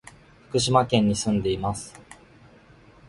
福島県に住んでいます。